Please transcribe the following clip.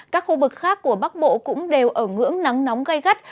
các khu vực khác của bắc bộ cũng đều ở ngưỡng nắng nóng gây gắt